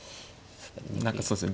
何かそうですね